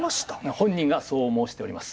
本人がそう申しております。